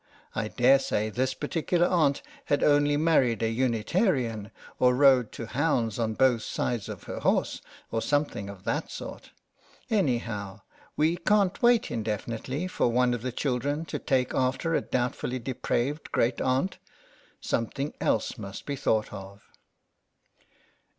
I dare say this particular aunt had only married a Unitarian, or rode to hounds on both sides of her horse, or something of that sort. Any how, we can't wait indefinitely for one of the children to take after a doubtfully depraved great aunt. Something else must be thought of.